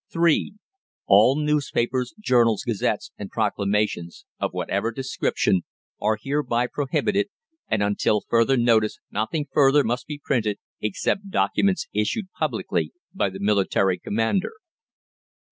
(3) ALL NEWSPAPERS, JOURNALS, GAZETTES, AND PROCLAMATIONS, of whatever description, are hereby prohibited, and until further notice nothing further must be printed, except documents issued publicly by the military commander.